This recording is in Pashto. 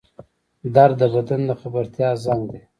درد د بدن د خبرتیا زنګ دی